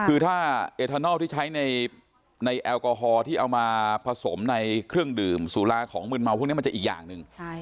คือถ้าเอทานอลที่ใช้ในแอลกอฮอล์ที่เอามาผสมในเครื่องดื่มสุราของมืนเมาพวกนี้มันจะอีกอย่างหนึ่ง